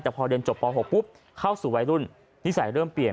แต่พอเรียนจบป๖ปุ๊บเข้าสู่วัยรุ่นนิสัยเริ่มเปลี่ยน